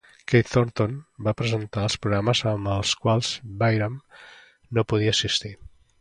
Kate Thornton va presentar els programes als quals Byram no podia assistir.